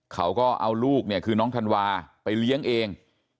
เขาก็เอาลูกเนี่ยคือน้องธันวาไปเลี้ยงเอง